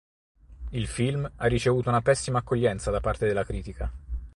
Il film ha ricevuto una pessima accoglienza da parte della critica.